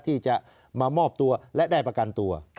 ที่จะมามอบตัวและได้ประกันตัว